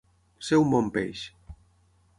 Ser un bon peix.